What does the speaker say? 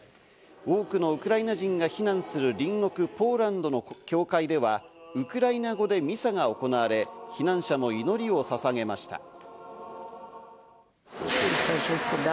多くのウクライナ人が避難する隣国、ポーランドの教会では、ウクライナ語でミサが行われ、避難者も祈りをささげました。